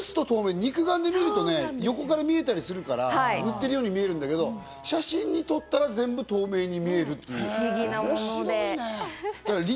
肉眼で見ると横から見えたりするから、塗ってるように見えるんだけど、写真に撮ったら透明に見える、面白いね。